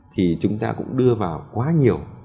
thì chúng ta cũng đưa vào quá nhiều